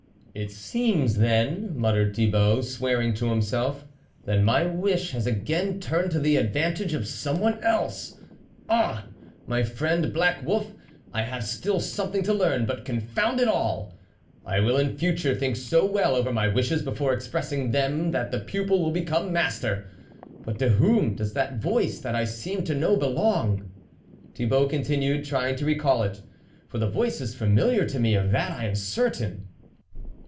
"It seems then," muttered Thibault, swearing to himself, " that my wish has again turned to the advantage of someone else! Ah! my friend, black wolf, I have still something to learn, but, confound it all ! I will in future think so well over my wishes before expressing them that the pupil will become master ... but to whom does that voice, that I seem to know, belong ?" Thibault continued, trying to recall it, " for the voice is familiar to me, of that I am certain